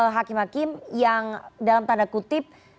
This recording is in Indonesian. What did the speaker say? hakim hakim yang dalam tanda kutip